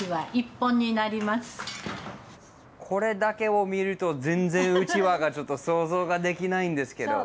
これだけを見ると全然うちわがちょっと想像ができないんですけど。